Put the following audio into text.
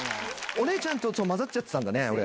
お姉ちゃんとまざっちゃってたんだね。